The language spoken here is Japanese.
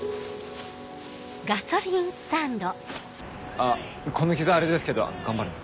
あっこの傷はあれですけど頑張るんで。